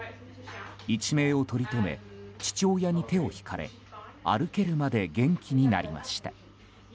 一命をとりとめ父親に手を引かれ歩けるまで元気になりました。